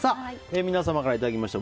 皆様からいただきました